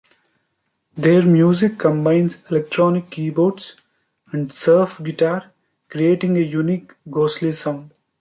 Their music combines electronic keyboards and surf guitar, creating a unique ghostly sound.